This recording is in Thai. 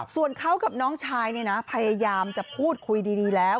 ส่วนเขากับน้องชายพยายามจะพูดคุยดีแล้ว